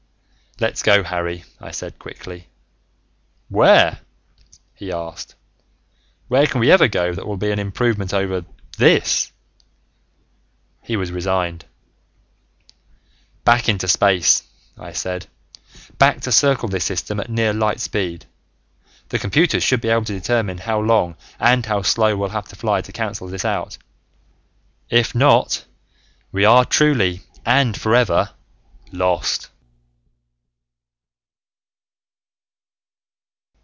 "Let's go, Harry," I said quickly. "Where?" he asked. "Where can we ever go that will be an improvement over this?" He was resigned. "Back into space," I said. "Back to circle this system at a near light speed. The computers should be able to determine how long and how slow we'll have to fly to cancel this out. If not, we are truly and forever lost!"